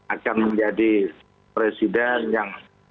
akan menjadi presiden yang